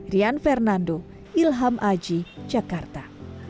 rian fernando ilham aji jakarta